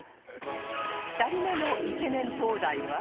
２人目のイケメン灯台は